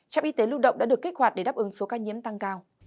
trạm y tế lưu động đã được kích hoạt để đáp ứng số ca nhiễm tăng cao